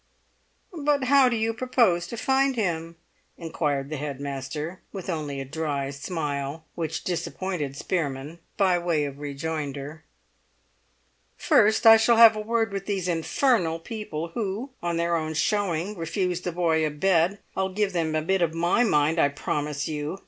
"But how do you propose to find him?" inquired the head master, with only a dry smile (which disappointed Spearman) by way of rejoinder. "First I shall have a word with these infernal people who, on their own showing, refused the boy a bed. I'll give them a bit of my mind, I promise you!